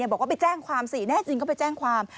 บอกว่าไปแจ้งความสิแน่จริงก็ไปแจ้งความ